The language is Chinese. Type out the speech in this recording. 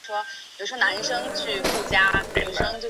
崇祯三年庚午科河南乡试解元。